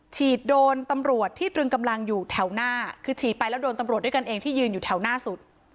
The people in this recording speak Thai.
ฉีดโดนตำรวจที่ตรึงกำลังอยู่แถวหน้าคือฉีดไปแล้วโดนตำรวจด้วยกันเองที่ยืนอยู่แถวหน้าสุด